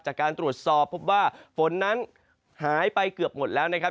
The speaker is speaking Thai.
จากการตรวจสอบพบว่าฝนนั้นหายไปเกือบหมดแล้วนะครับ